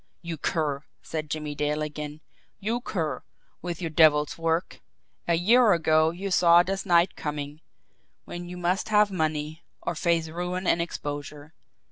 "You cur!" said Jimmie Dale again. "You cur, with your devil's work! A year ago you saw this night coming when you must have money, or face ruin and exposure.